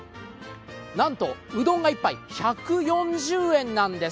なんとうどんが１杯１４０円なんです。